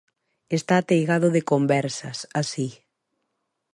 Está ateigado de "conversas" así.